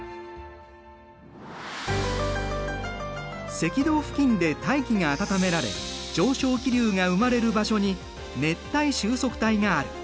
赤道付近で大気が温められ上昇気流が生まれる場所に熱帯収束帯がある。